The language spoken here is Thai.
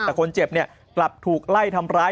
แต่คนเจ็บเนี่ยกลับถูกไล่ทำร้าย